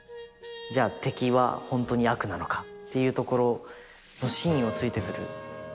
「敵は本当に悪なのか？」っていうところの真意を突いてくる。